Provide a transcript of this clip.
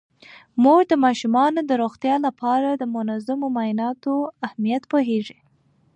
مور د ماشومانو د روغتیا لپاره د منظمو معاینو اهمیت پوهیږي.